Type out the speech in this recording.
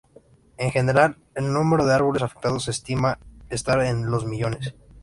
En general, el número de árboles afectados se estima estar en los millones.